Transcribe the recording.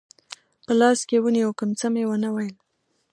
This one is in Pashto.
په لاس کې ونیو، کوم څه مې و نه ویل.